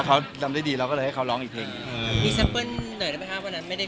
เซแลนด์แล้วเค้าด่าร้องเพลงอะไร